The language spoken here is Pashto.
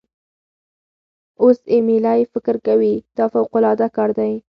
اوس ایمیلی فکر کوي دا فوقالعاده کار دی.